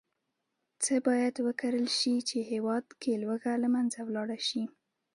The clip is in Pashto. څه باید وکرل شي، چې هېواد کې لوږه له منځه لاړه شي.